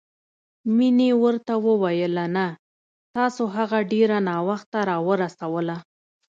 مينې ورته وويل نه، تاسو هغه ډېره ناوخته راورسوله.